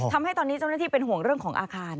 ทำให้ตอนนี้เจ้าหน้าที่เป็นห่วงเรื่องของอาคาร